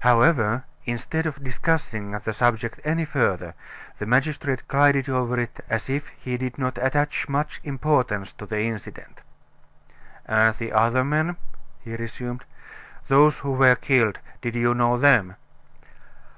However, instead of discussing the subject any further, the magistrate glided over it as if he did not attach much importance to the incident. "And the other men," he resumed, "those who were killed: did you know them?"